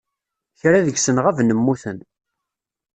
Kra deg-sen ɣaben mmuten